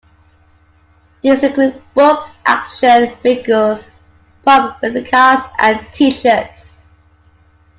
These include books, action figures, prop replicas and t-shirts.